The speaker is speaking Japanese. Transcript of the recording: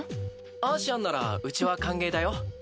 アーシアンならうちは歓迎だよ。